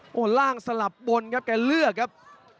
โอ้โหล่างสลับบนครับแกเลือกครับ